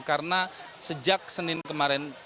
karena sejak senin kemarin